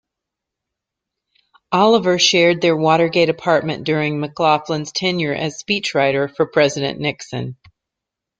Oliver shared their Watergate apartment during McLaughlin's tenure as speechwriter for President Nixon.